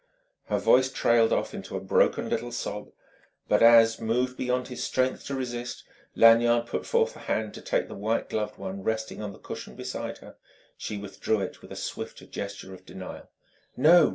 Her voice trailed off into a broken little sob. But as, moved beyond his strength to resist, Lanyard put forth a hand to take the white gloved one resting on the cushion beside her, she withdrew it with a swift gesture of denial. "No!"